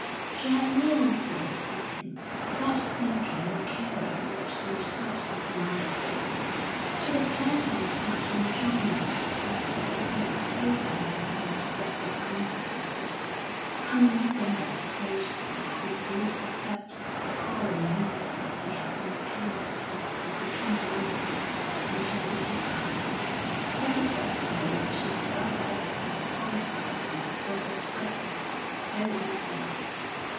She had merely played with him, without thinking or caring what the result to him might be. She was bent on as much enjoyment as possible without exposing herself to awkward consequences; common scandal told him that he was not the first callow youth that she had entangled with her provoking glances and her witty tongue. The epithet by which his brother officers qualified her was expressive, though impolite.